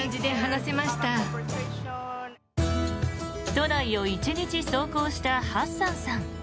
都内を１日走行したハッサンさん。